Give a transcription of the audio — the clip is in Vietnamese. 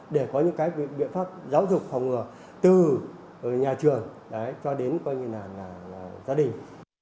để có những cái biện pháp giáo dục phòng ngừa từ nhà trường cho đến gia đình